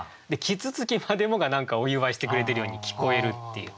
啄木鳥までもが何かお祝いしてくれてるように聞こえるっていう。